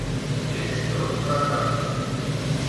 És tot platònic.